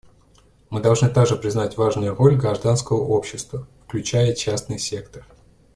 Мы должны также признать важную роль гражданского общества, включая частный сектор.